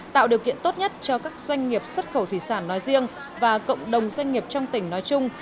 tạo điều kiện tốt nhất cho các doanh nghiệp xuất khẩu thủy sản nói riêng và cộng đồng doanh nghiệp trong tỉnh nói chung